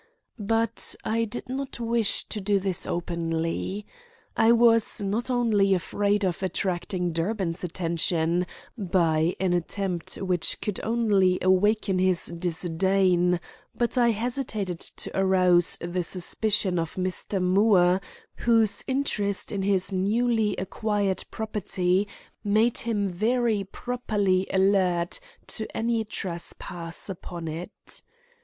But I did not wish to do this openly. I was not only afraid of attracting Durbin's attention by an attempt which could only awaken his disdain, but I hesitated to arouse the suspicion of Mr. Moore, whose interest in his newly acquired property made him very properly alert to any trespass upon it.